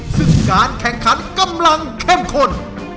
ซึ่งการแข่งขันกำลังเข้มข้น